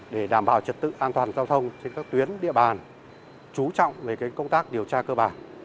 để đảm bảo trật tự an toàn giao thông trên các tuyến địa bàn chú trọng về công tác điều tra cơ bản